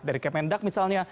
dari kmn dark misalnya